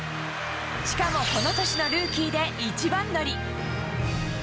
しかも、この年のルーキーで一番乗り。